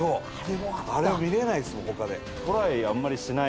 あれは見れないですもん他で。